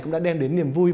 cũng đã đem đến niềm vui